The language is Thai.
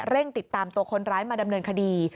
ติดตามตัวคนร้ายมาดำเนินคดี